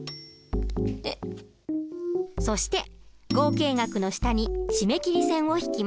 そして合計額の下に締め切り線を引きます。